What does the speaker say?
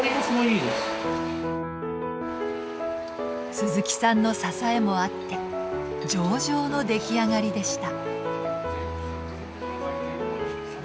鈴木さんの支えもあって上々の出来上がりでした。